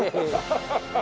ハハハハ。